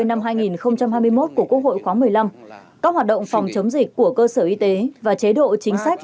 năm hai nghìn hai mươi một của quốc hội khóa một mươi năm các hoạt động phòng chống dịch của cơ sở y tế và chế độ chính sách